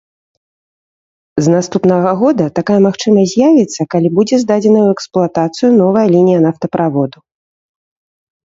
З наступнага года такая магчымасць з'явіцца, калі будзе здадзеная ў эксплуатацыю новая лінія нафтаправоду.